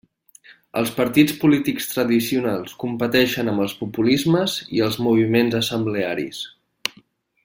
Els partits polítics tradicionals competeixen amb els populismes i els moviments assemblearis.